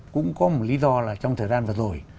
cũng có một lý do là trong thời gian vừa rồi